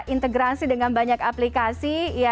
integrasi dengan banyak aplikasi